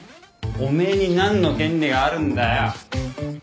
お前になんの権利があるんだよ？